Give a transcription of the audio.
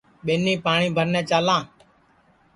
ٻینی پاٹؔی بھرنے چالاں